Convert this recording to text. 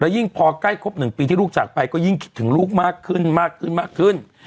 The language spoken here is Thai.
แล้วยิ่งพอใกล้ครบหนึ่งปีที่ลูกจัดไปก็ยิ่งคิดถึงลูกมากขึ้นมากขึ้นมากขึ้น